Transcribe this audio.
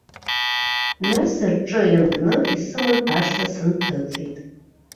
Нас аҿы ианкны исыман ашҭа сынҭыҵит.